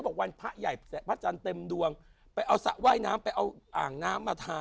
วันพระใหญ่พระจันทร์เต็มดวงไปเอาสระว่ายน้ำไปเอาอ่างน้ำมาทา